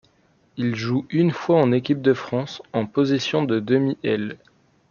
Il joue une fois en équipe de France, en position de demi-aile.